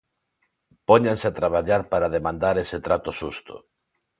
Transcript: Póñanse a traballar para demandar ese trato xusto.